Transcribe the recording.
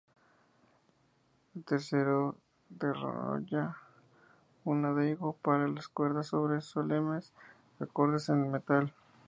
El tercero desarrolla un adagio para las cuerdas sobre solemnes acordes en el metal.